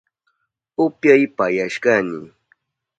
Upyapayashkani